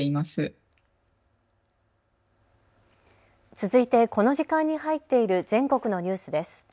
続いてこの時間に入っている全国のニュースです。